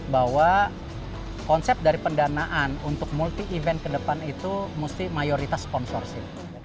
bahwa konsep dari pendanaan untuk multi event ke depan itu mesti mayoritas sponsorship